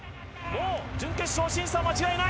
準決勝進出は間違いない。